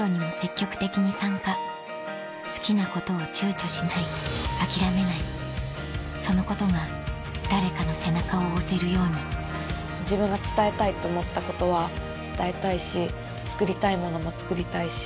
好きなことを躊躇しない諦めないそのことが誰かの背中を押せるように自分が伝えたいって思ったことは伝えたいし作りたいものも作りたいし。